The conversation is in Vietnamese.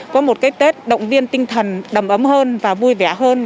có một cái tết động viên tinh thần đầm ấm hơn và vui vẻ hơn